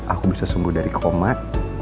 aku bisa sembuh dari komat